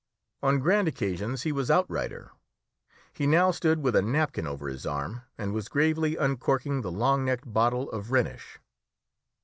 On grand occasions he was outrider. He now stood with a napkin over his arm, and was gravely uncorking the long necked bottle of Rhenish.